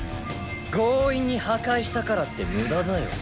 強引に破壊したからって無駄だよ。